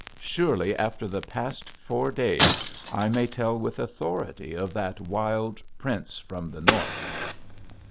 Surely after the past four days I may tell with authority of that wild Prince from the North.